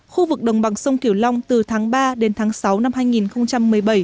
khu vực đồng bằng sông kiểu long từ tháng ba đến tháng sáu năm hai nghìn một mươi bảy